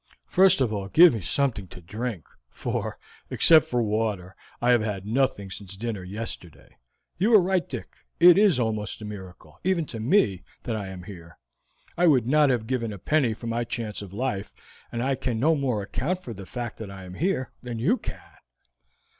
"First of all give me something to drink, for, except some water, I have had nothing since dinner yesterday. You are right, Dick; it is almost a miracle, even to me, that I am here. I would not have given a penny for my chance of life, and I can no more account for the fact that I am here than you can."